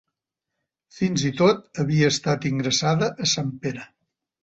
Fins i tot havia estat ingressada a Sant Pere.